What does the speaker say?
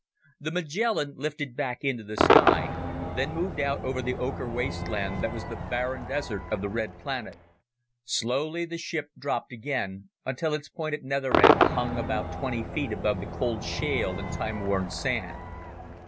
The Magellan lifted back into the sky, then moved out over the ocher wasteland that was the barren desert of the red planet. Slowly the ship dropped again until its pointed nether end hung about twenty feet above the cold shale and time worn sand.